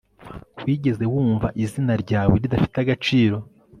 wigeze wumva izina ryawe ridafite agaciro